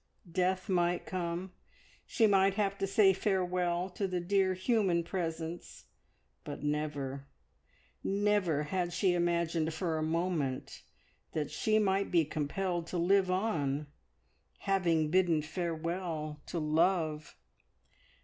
Death might come, she might have to say farewell to the dear human presence, but never, never had she imagined for a moment that she might be compelled to live on, having bidden farewell to love!